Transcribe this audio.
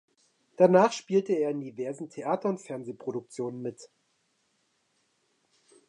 Danach spielte er in diversen Theater- und Fernsehproduktionen mit.